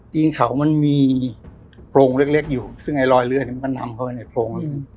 ตีนเขามันมีโพรงเล็กอยู่ซึ่งไอรอยเลือดมันนำเข้าไปในโพรง